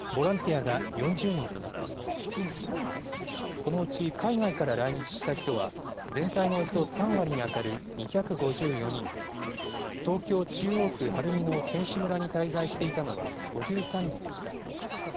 このうち海外から来日した人は、全体のおよそ３割に当たる２５４人、東京・中央区晴海の選手村に滞在していたのは、５３人でした。